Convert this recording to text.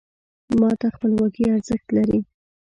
ما ته خپلواکي ارزښت لري .